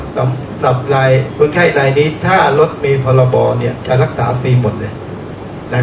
สำหรับรายคนไข้รายนี้ถ้ารถมีพรบจะรักษาฟรีหมดเลย